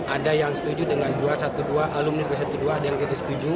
ada yang setuju dengan dua ratus dua belas alumni dua ratus dua belas ada yang tidak setuju